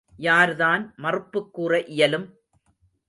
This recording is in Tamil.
யார்தான் மறுப்புக் கூற இயலும்?